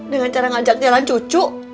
dengan cara ngajak jalan cucu